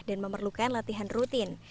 dan memerlukan latihan rutin